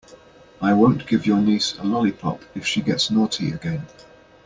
I won't give your niece a lollipop if she gets naughty again.